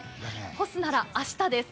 干すなら明日です。